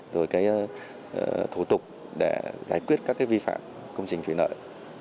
rồi cái thủ tục để giải quyết các vi phạm công trình thủy lợi